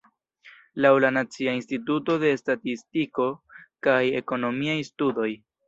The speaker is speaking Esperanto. Laŭ la Nacia Instituto de Statistiko kaj Ekonomiaj Studoj.